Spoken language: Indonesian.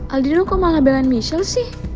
aldin lu kok mau labelan michelle sih